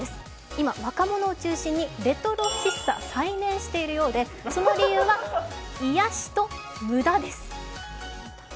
今、若者を中心にレトロ喫茶、再燃しているようで、その理由は癒やしと無駄です。